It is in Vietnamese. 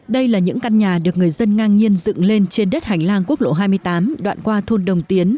đây là những căn nhà được người dân ngang nhiên dựng lên trên đất hành lang quốc lộ hai mươi tám đoạn qua thôn đồng tiến